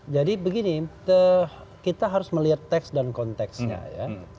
jadi begini kita harus melihat teks dan konteksnya ya